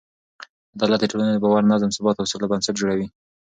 عدالت د ټولنې د باور، نظم، ثبات او سوله بنسټ جوړوي.